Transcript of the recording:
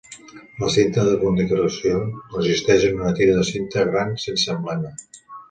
La cinta de condecoració consisteix en una tira de cinta gran sense emblema.